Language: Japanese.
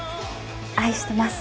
愛してます。